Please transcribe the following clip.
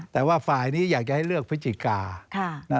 แต่ว่าฝ่ายนี้อยากจะให้เลือกพฤศจิกา